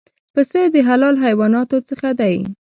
پسه د حلال حیواناتو څخه دی.